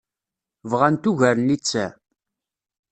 Bɣant ugar n littseɛ.